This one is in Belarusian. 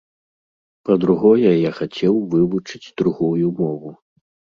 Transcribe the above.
Па-другое, я хацеў вывучыць другую мову.